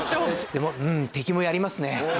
でも敵もやりますね。